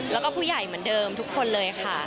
แล้วก็ผู้ใหญ่เหมือนเดิมทุกคนเลยค่ะ